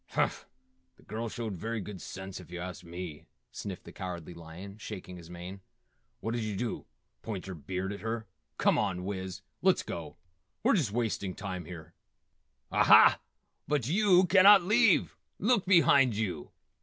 "Humph, the girl showed very good sense, if you ask me," sniffed the Cowardly Lion, shaking his mane, "What did you do? Point your beard at her? Come on, Wiz! Let's go. We're just wasting time here." "Aha, but yew cannot leave! Look behind yew!"